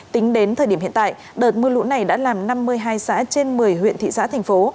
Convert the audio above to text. tính đến thời điểm hiện tại đợt mưa lũ này đã làm năm mươi hai xã trên một mươi huyện thị xã thành phố